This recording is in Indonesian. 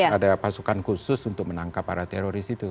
ada pasukan khusus untuk menangkap para teroris itu